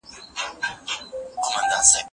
پلار د کورنی د عزت او ناموس تر ټولو کلک ساتونکی دی.